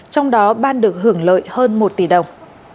trong đó ban được hưởng lợi hơn một tỷ đồng